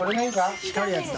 光るやつだ。